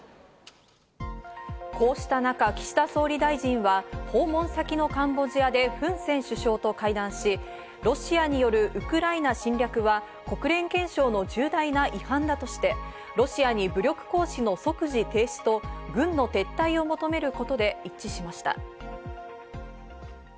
こうした中、岸田総理大臣は訪問先のカンボジアでフン・セン首相と会談し、ロシアによるウクライナ侵略は国連憲章の重大な違反だとして、ロシアに武力行使の即時停止と軍の撤退を求めることで一致しました。